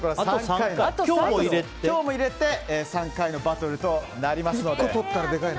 今日も入れてあと３回のバトルとなります。